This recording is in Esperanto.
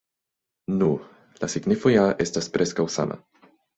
Nu, la signifo ja estas preskaŭ sama.